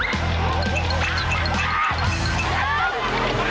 อยากไม้